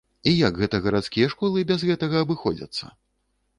І як гэта гарадскія школы без гэтага абыходзяцца?